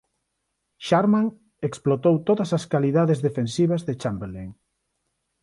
Sharman explotou todas as calidades defensivas de Chamberlain.